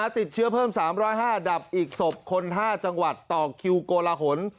ติดเชื้อเพิ่ม๓๐๕อันดับอีกศพคน๕จังหวัดต่อคิวโกลหน